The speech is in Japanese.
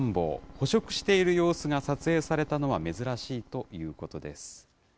捕食している様子が撮影されたのは珍しいということです。